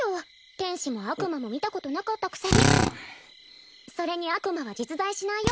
天使も悪魔も見たことなかったくせにそれに悪魔は実在しないよ